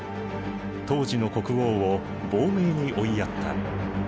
当時の国王を亡命に追いやった。